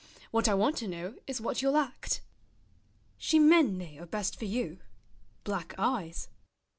What I want to know Is what you'll act. Chimènes are best for you, Black eyes.